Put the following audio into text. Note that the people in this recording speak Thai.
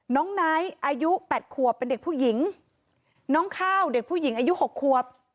ไนท์อายุแปดขวบเป็นเด็กผู้หญิงน้องข้าวเด็กผู้หญิงอายุหกควบ